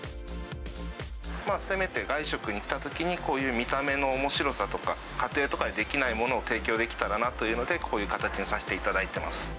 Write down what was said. せめて外食に行ったときにこういう見た目のおもしろさとか、家庭とかでできないものを提供できたらなというので、こういう形にさせていただいてます。